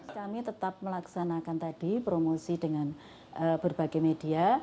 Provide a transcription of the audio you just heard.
kami tetap melaksanakan tadi promosi dengan berbagai media